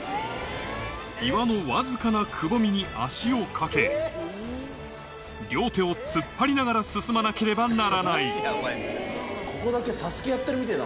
岩のわずかなくぼみに足を掛け両手を突っ張りながら進まなければならないここだけ。